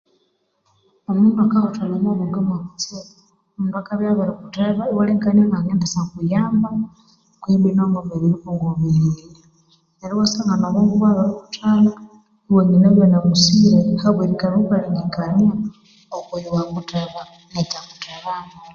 Omundu akahuthalha omwa bwongo mwa kutsibu, omundu akabya abirikutheba iwalengekania nga kendisya kuyamba kwehi inamabirikongobererya neryo iwasangana obwongo ibwabiri huthalha iwanganabya na musire ahabwerikalha wukalengekania oko yowakutheba nekya kuthebamo.